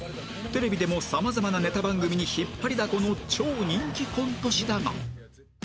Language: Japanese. テレビでも様々なネタ番組に引っ張りだこの超人気コント師だが